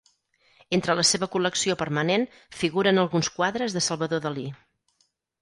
Entre la seva col·lecció permanent figuren alguns quadres de Salvador Dalí.